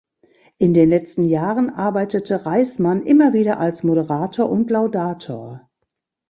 In den letzten Jahren arbeitete Reißmann immer wieder als Moderator und Laudator.